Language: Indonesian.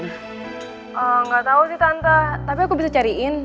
gak tau sih tante tapi aku bisa cariin